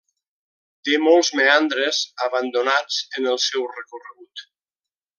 Té molts meandres abandonats en el seu recorregut.